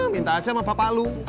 minta aja sama bapak lu